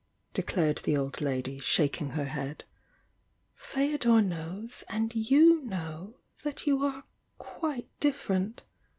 declared the old lady, shaking her head. "Feodor knows and you know that you are quiie different!